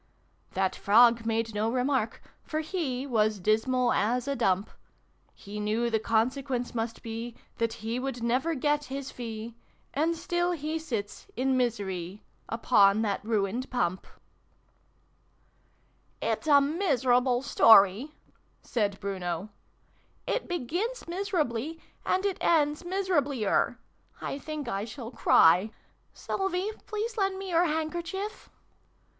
Tliat Frog made no remark, for he Was dismal as a dump : He knew the consequence must be That lie would never get his fee And still he sits, in miserie, Upon that ruined Pump ! 373 "It's a miserable story!" said Bruno. "It begins miserably, and it ends miserablier. I think I shall cry. Sylvie, please lend me your handkerchief." 374 SYLVIE AND BRUNO CONCLUDED.